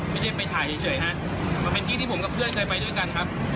ไม่ใช่ไปถ่ายเฉยฮะมันเป็นที่ที่ผมกับเพื่อนเคยไปด้วยกันครับ